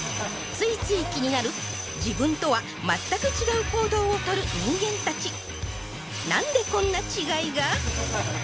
ついつい気になる自分とは全く違う行動をとる人間達何でこんな違いが？